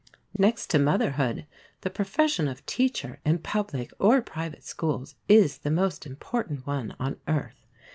Next to motherhood, the profession of teacher in public or private schools is the most important one on earth.